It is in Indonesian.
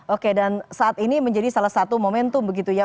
oke dan saat ini menjadi salah satu momentum begitu ya